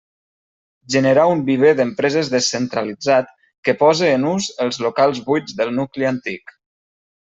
Generar un viver d'empreses descentralitzat, que pose en ús els locals buits del nucli antic.